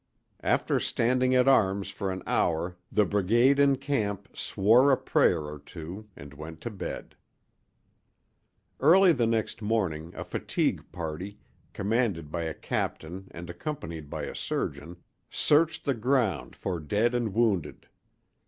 After standing at arms for an hour the brigade in camp "swore a prayer or two" and went to bed. Early the next morning a fatigue party, commanded by a captain and accompanied by a surgeon, searched the ground for dead and wounded.